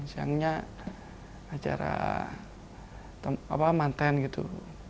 selanjutnya acara mantan gitu